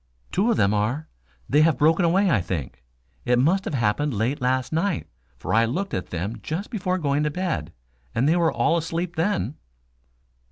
"Two of them are. They have broken away, I think. It must have happened late last night, for I looked at them just before going to bed, and they were all asleep then."